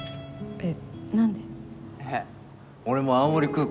えっ？